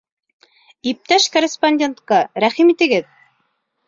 Иптәш корреспондентка, рәхим итегеҙ!